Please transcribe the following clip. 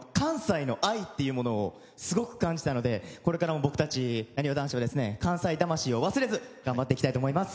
めちゃくちゃうれしかったですし関西の愛というものをすごく感じたのでこれからも僕たちなにわ男子は関西魂忘れず頑張っていきたいと思います。